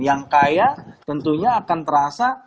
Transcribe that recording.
yang kaya tentunya akan terasa